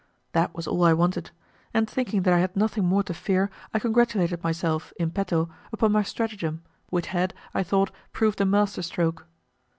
That was all I wanted, and thinking that I had nothing more to fear I congratulated myself, in petto, upon my stratagem, which had, I thought, proved a master stroke.